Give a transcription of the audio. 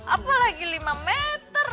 apalagi lima meter